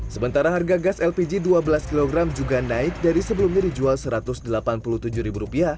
sementara harga gas lpg dua belas kg juga naik dari sebelumnya dijual rp satu ratus delapan puluh tujuh